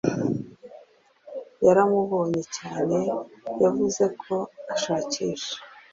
Yaramubonye cyane yavuze ko ashakisha